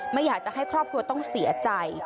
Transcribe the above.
ไม่อยากจะให้ครอบครัวต้องเสียใจ